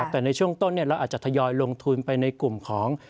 แต่ในช่วงต้นเราอาจจะทยอยลงทุนไปในกลุ่มของ